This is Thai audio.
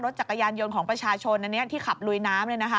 จักรยานยนต์ของประชาชนอันนี้ที่ขับลุยน้ำ